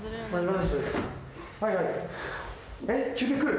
はいはい。